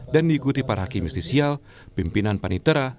dan diikuti para hakim istisial pimpinan panitera